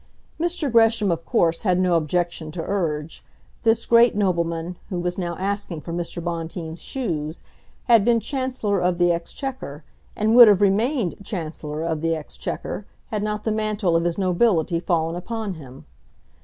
Mr. Gresham of course had no objection to urge. This great nobleman, who was now asking for Mr. Bonteen's shoes, had been Chancellor of the Exchequer, and would have remained Chancellor of the Exchequer had not the mantle of his nobility fallen upon him.